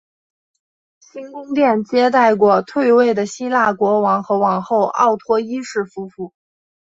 新宫殿接待过退位的希腊国王和王后奥托一世夫妇。